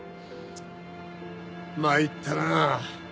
参ったな。